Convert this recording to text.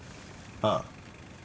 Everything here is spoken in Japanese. ああ。